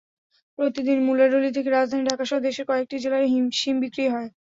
প্রতিদিন মুলাডুলি থেকে রাজধানী ঢাকাসহ দেশের কয়েকটি জেলায় শিম বিক্রি হয়।